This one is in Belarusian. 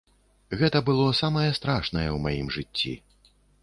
Гэта было самае страшнае ў маім жыцці.